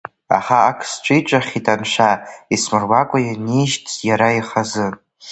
Аха ак сцәиҵәахит Анцәа, исмырбакәа инижьт иара ихазы.